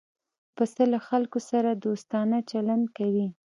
پسه له خلکو سره دوستانه چلند کوي.